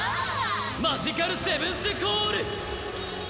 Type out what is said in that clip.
マジカル・セブンスコール！